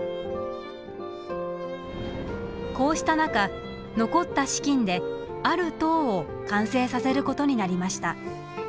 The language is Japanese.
こうした中残った資金である塔を完成させることになりました。